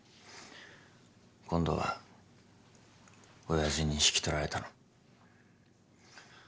今度は親父に引き取られたの。